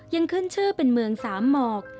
ยังขึ้นชื่อเป็นเมืองสามหมอก